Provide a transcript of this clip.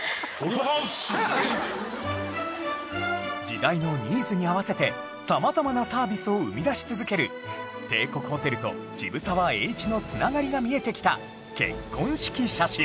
時代のニーズに合わせて様々なサービスを生み出し続ける帝国ホテルと渋沢栄一の繋がりが見えてきた結婚式写真